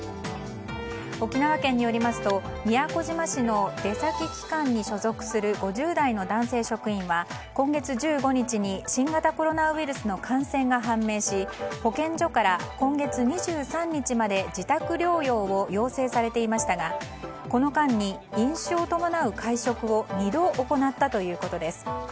沖縄県によりますと宮古島市の出先機関に所属する５０代の男性職員は今月１５日に新型コロナウイルスの感染が判明し保健所から今月２３日まで自宅療養を要請されていましたがこの間に飲酒を伴う会食を２度行ったということです。